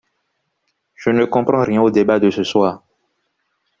Je ne comprends rien au débat de ce soir.